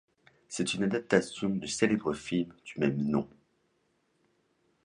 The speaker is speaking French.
C'est une adaptation du célèbre film du même nom.